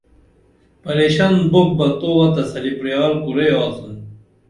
پریشن بُپ بہ تووہ تسلی پریال کُرئی آڅن